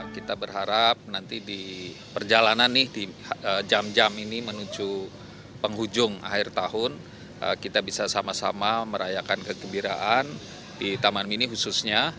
kita berharap nanti di perjalanan nih jam jam ini menuju penghujung akhir tahun kita bisa sama sama merayakan kegembiraan di taman mini khususnya